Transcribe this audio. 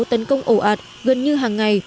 tấn công ồ ạt gần như hàng ngày